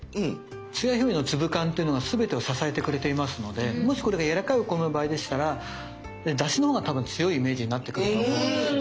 つや姫の粒感っていうのが全てを支えてくれていますのでもしこれがやわらかいお米の場合でしたらだしのほうが多分強いイメージになってくると思うんですよ。